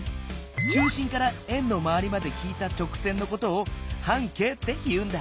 中心から円のまわりまで引いた直線のことを半径って言うんだ。